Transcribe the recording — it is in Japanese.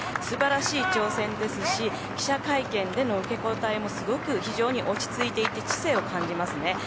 素晴らしい挑戦ですし記者会見での受け答えもすごく非常に落ち着いていて知性を感じますね。